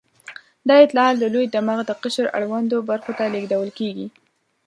دا اطلاعات د لوی دماغ د قشر اړوندو برخو ته لېږدول کېږي.